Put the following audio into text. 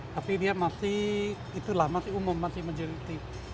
tapi dia masih itulah masih umum masih menjeriti